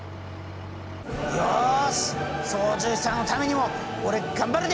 よし操縦士さんのためにも俺頑張るで！